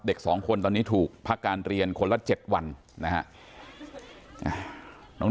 เด็กสองคนตอนนี้ถูกพักการเรียนคนละ๗วันนะครับ